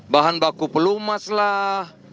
bahan baku pelumas lah